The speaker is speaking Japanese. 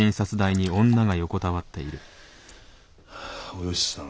およしさん